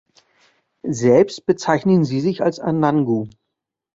Selbst bezeichnen sie sich als Anangu.